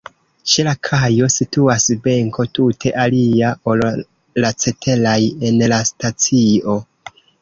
Ĉe la kajo situas benko, tute alia, ol la ceteraj en la stacio.